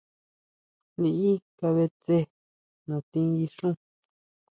Liʼí kabʼe tse natí guixún.